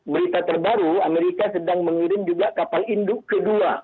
berita terbaru amerika sedang mengirim juga kapal induk kedua